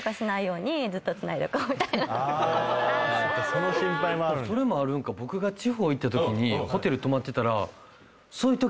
それもあるんか僕が地方行ったときホテル泊まってたら。